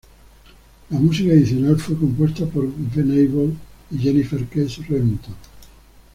La música adicional fue compuesta por Venable y Jennifer Kes Remington.